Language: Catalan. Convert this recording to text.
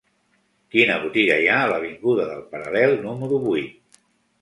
Quina botiga hi ha a l'avinguda del Paral·lel número vuit?